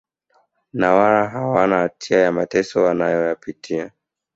na wala hawana hatia ya mateso wanayopitia